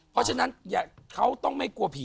เพราะฉะนั้นเขาต้องไม่กลัวผี